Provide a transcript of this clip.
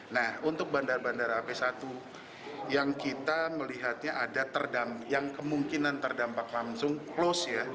nah untuk bandara bandara ap satu yang kita melihatnya adam yang kemungkinan terdampak langsung close ya